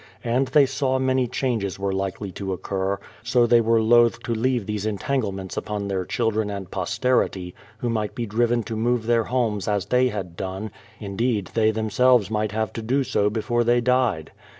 And they saw many changes were likely to occur, so they wejre loth to leave these entanglements upon their children and posterity, who might be driven to move their homes as they had done ; indeed they themselves might have to do so before they died.